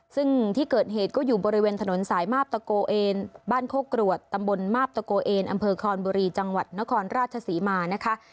ซึ่งที่เกิดเหตุก็อยู่บริเวณถนนสายมาบตะโกเอนบ้านโคกรวดตำบลมาบตะโกเอนอำเภอคอนบุรีจังหวัดนครราชศรีมานะคะ